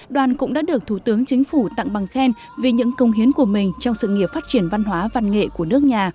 đoàn cũng đã được thủ tướng chính phủ tặng bằng khen vì những công hiến của mình trong sự nghiệp phát triển văn hóa văn nghệ của nước nhà